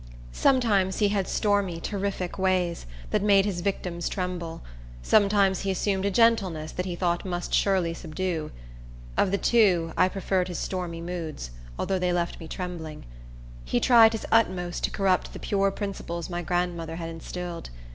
Sometimes he had stormy, terrific ways, that made his victims tremble; sometimes he assumed a gentleness that he thought must surely subdue. Of the two, I preferred his stormy moods, although they left me trembling. He tried his utmost to corrupt the pure principles my grandmother had instilled.